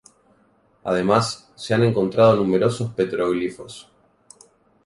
Además, se han encontrado numerosos petroglifos.